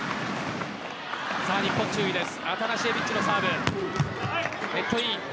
日本、注意です。